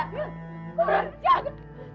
kamu jangan ikut campur